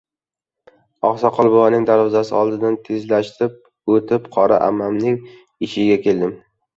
Oqsoqol buvaning darvozasi oldidan tezlab o‘tib, «Qora ammam»ning eshigiga keldik.